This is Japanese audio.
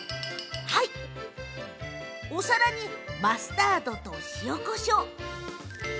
お皿にマスタードと塩、こしょう。